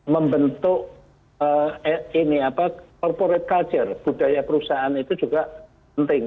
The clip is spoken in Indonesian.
membentuk corporate culture budaya perusahaan itu juga penting